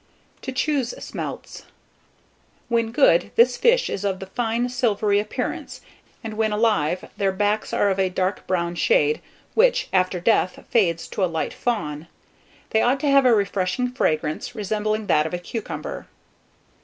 TO CHOOSE SMELTS. When good, this fish is of a fine silvery appearance, and when alive, their backs are of a dark brown shade, which, after death, fades to a light fawn. They ought to have a refreshing fragrance, resembling that of a cucumber.